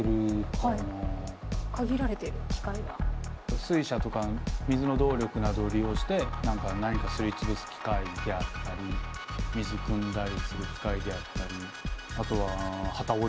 水車とか水の動力などを利用して何か何かすり潰す機械であったり水くんだりする機械であったりあとは機織り機とか。